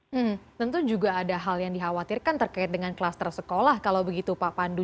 hmm tentu juga ada hal yang dikhawatirkan terkait dengan kluster sekolah kalau begitu pak pandu